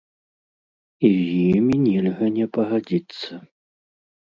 І з імі нельга не пагадзіцца!